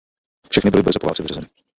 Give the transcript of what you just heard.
Všechny byly brzy po válce vyřazeny.